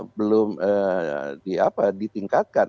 belum di apa ditingkatkan